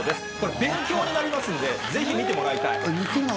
勉強になりますので、ぜひ見てもらいたい。